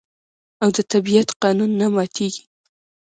او د طبیعت قانون نه ماتیږي.